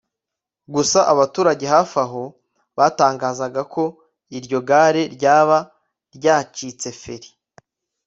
gusa abaturage hafi ho batangazaga ko iryo gare ryaba ryari ryacitse feri